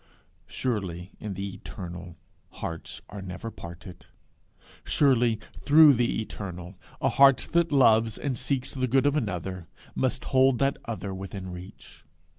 Surely, in the Eternal, hearts are never parted! surely, through the Eternal, a heart that loves and seeks the good of another, must hold that other within reach!